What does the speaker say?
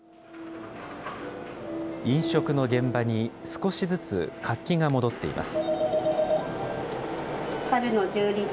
飲食の現場に少しずつ活気が戻っています。